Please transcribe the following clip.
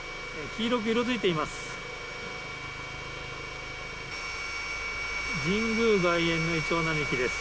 黄色く色づいています。